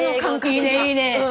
いいねいいね！